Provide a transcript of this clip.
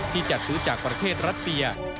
จัดซื้อจากประเทศรัสเซีย